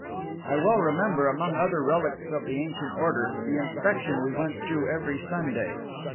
I well remember, among other relics of the ancient order, the inspection we went through every Sunday.